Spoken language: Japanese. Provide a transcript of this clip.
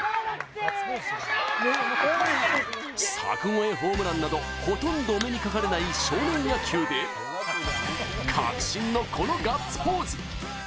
柵越えホームランなど、ほとんどお目にかかれない少年野球で確信の、このガッツポーズ！